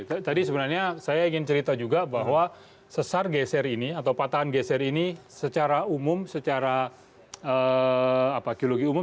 tadi sebenarnya saya ingin cerita juga bahwa sesar geser ini atau patahan geser ini secara umum secara geologi umum